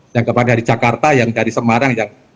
yang kemarin dari jakarta yang dari semarang yang